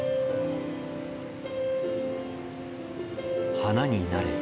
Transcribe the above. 花になれ。